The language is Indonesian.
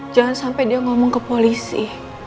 jangan sampai dia ngomong ke polisi